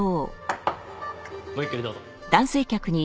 ごゆっくりどうぞ。